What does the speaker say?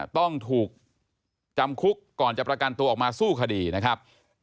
ต้องถูกจำคุกก่อนจะประกันตัวออกมาสู้คดีนะครับ